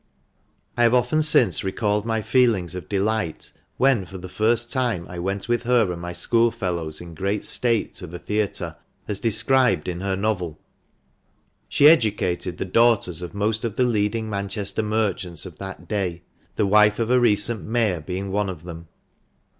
I have often since recalled my feelings of delight when for the first time I went with her and my schoolfellows in great state to the theatre, as described in her novel. She educated the daughters of most of the leading Manchester merchants of that day, the wife of a recent Mayor being one of them.